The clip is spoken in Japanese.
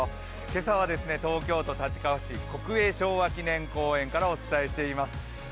今朝は東京都立川市、国営昭和記念公園からお伝えしています。